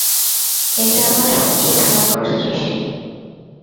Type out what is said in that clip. এটা আমার সবচেয়ে ভয়ঙ্কর সৃষ্টি।